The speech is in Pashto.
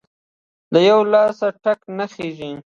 له يوه لاسه ټک نه خیژي!.